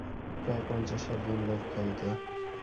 প্রায় পঞ্চাশ-ষাট জন লোক খাইত।